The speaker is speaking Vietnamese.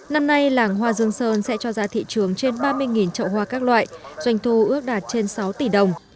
năm nay làng hoa dương sơn sẽ cho giá thị trường trên ba mươi trậu hoa các loại doanh thu ước đạt trên sáu tỷ đồng